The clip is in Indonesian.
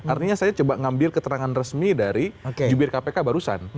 artinya saya coba ngambil keterangan resmi dari jubir kpk barusan